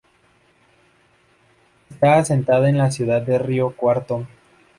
Está asentada en la ciudad de Río Cuarto.